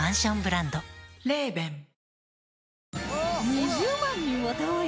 ２０万人を動員！